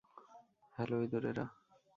Hello, ইঁদুরেরা।